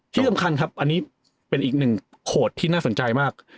ที่สำคัญครับอันนี้เป็นอีกหนึ่งโขดที่น่าสนใจมาก